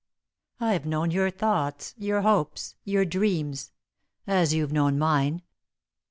I've known your thoughts, your hopes, your dreams, as you've known mine!